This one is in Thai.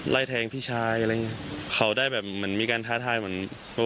ไล่แทงพี่ชายอะไรเลยเขาได้แบบมันมีการท้าทายบรรรษท